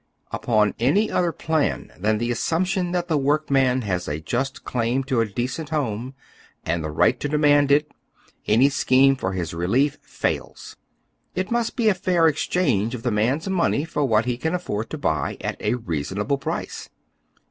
Upon any other plan than the assumption that the workman has a just claim to a decent liome, and the right to demand it, any scheme for his relief fails. It must be a fair exchange of the man's money for what he can afford to buy at a reasonable price.